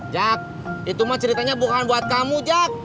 jak itu mah ceritanya bukan buat kamu jak